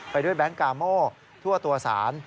ไปด้วยแบงค์กาโม่ทั่วตัวสาร